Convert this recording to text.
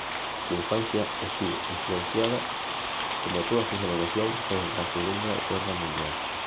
Su infancia, estuvo influenciada, como toda su generación, por la segunda guerra mundial.